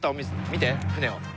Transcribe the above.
見て船を。